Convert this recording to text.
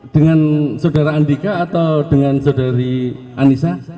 dengan saudara andika atau dengan saudari anissa